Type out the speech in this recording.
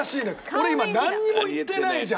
俺今なんにも言ってないじゃん！